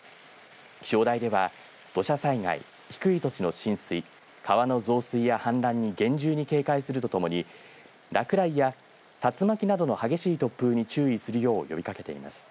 気象台では土砂災害、低い土地の浸水川の増水や氾濫に厳重に警戒するとともに落雷や竜巻などの激しい突風に注意するよう呼びかけています。